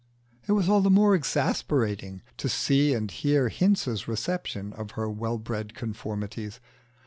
It was all the more exasperating to see and hear Hinze's reception of her well bred conformities.